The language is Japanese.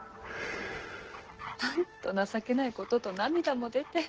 なんと情けないことと涙も出て。